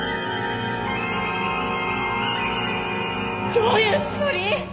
どういうつもり！？